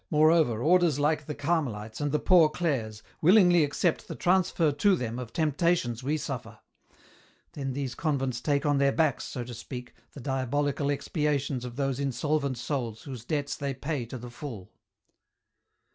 Moreover, Orders like the Carmelites and the Poor Clares willingly accept the transfer to them of temptations we suffer ; then these convents take on their backs, so to speak, the diabolical expiations of those insolvent souls whose debts they pay to the full."